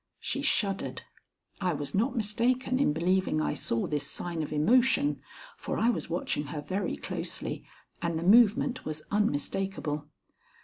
She shuddered. I was not mistaken in believing I saw this sign of emotion, for I was watching her very closely, and the movement was unmistakable.